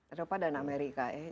eropa dan amerika